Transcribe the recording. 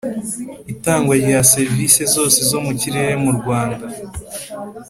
Itangwa rya serivisi zose zo mu kirere mu Rwanda